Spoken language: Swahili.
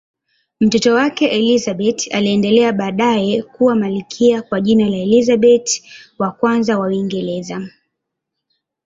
Mtoto wake Elizabeth aliendelea baadaye kuwa malkia kwa jina la Elizabeth I wa Uingereza.